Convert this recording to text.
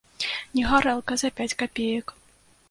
Не гарэлка за пяць капеек.